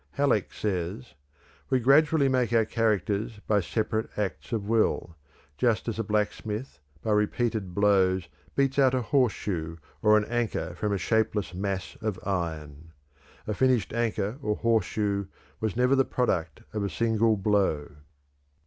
Halleck says: "We gradually make our characters by separate acts of will, just as a blacksmith by repeated blows beats out a horseshoe or an anchor from a shapeless mass of iron. A finished anchor or horseshoe was never the product of a single blow."